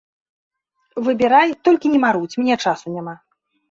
Выбірай, толькі не марудзь, мне часу няма.